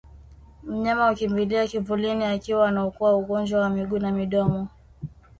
Mnyama hukimbilia kivulini akiwa anaugua ugonjwa wa miguu na midomo